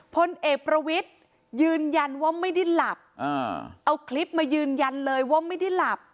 พลเอกประวิทย์ยืนยันว่าไม่ได้หลับเอาคลิปมายืนยันเลยว่าไม่ได้หลับ